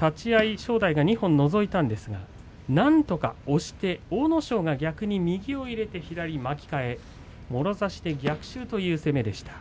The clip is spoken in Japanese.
立ち合い正代が２本のぞいたんですが、なんとか押して阿武咲が逆に右を入れて左巻き替えもろ差しで逆襲という攻めでした。